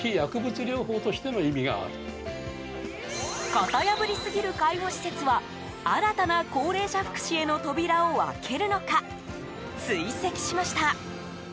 型破りすぎる介護施設は新たな高齢者福祉への扉を開けるのか、追跡しました。